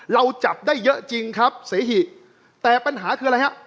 เราจับได้เยอะจริงครับเสหิแต่ปัญหาคืออะไรฮะ